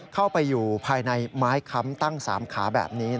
เข้าไปอยู่ภายในไม้ค้ำตั้ง๓ขาแบบนี้